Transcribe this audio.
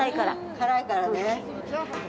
辛いからね。